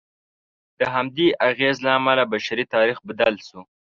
د همدې اغېز له امله بشري تاریخ بدل شو.